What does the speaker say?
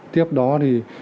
tiếp đó thì